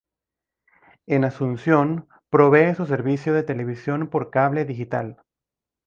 En Asunción provee su servicio de televisión por cable digital.